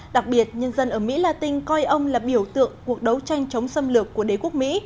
đặc biệt nhân dân ở mỹ latin coi ông là biểu tượng cuộc đấu tranh chống xâm lược của đế quốc mỹ